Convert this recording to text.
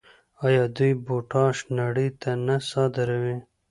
آیا دوی پوټاش نړۍ ته نه صادروي؟